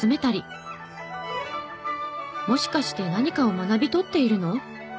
もしかして何かを学び取っているの？